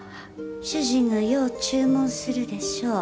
主人がよう注文するでしょう。